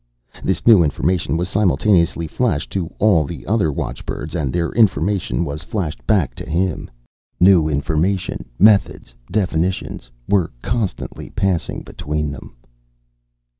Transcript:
This new information was simultaneously flashed to all the other watchbirds and their information was flashed back to him. New information, methods, definitions were constantly passing between them.